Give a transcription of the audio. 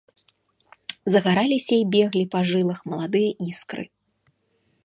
Загараліся і беглі па жылах маладыя іскры.